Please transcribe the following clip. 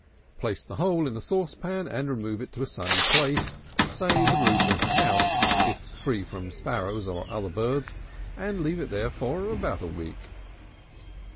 Place the whole in a saucepan, and remove it to a sunny place, say the roof of the house, if free from sparrows or other birds, and leave it there for about a week.